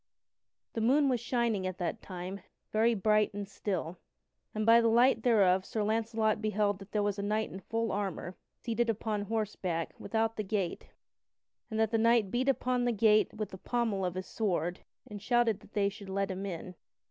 The moon was shining at that time, very bright and still, and by the light thereof Sir Launcelot beheld that there was a knight in full armor seated upon horseback without the gate, and that the knight beat upon the gate with the pommel of his sword, and shouted that they should let him in.